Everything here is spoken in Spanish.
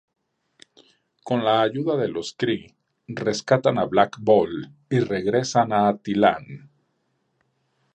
Con la ayuda de los Kree, rescatan a Black Bolt y regresan a Attilan.